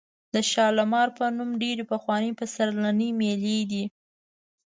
د شالمار په نوم ډېرې پخوانۍ پسرلنۍ مېلې دي.